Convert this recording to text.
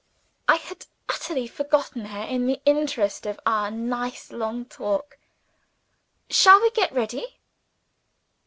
I had utterly forgotten her, in the interest of our nice long talk. Shall we get ready?"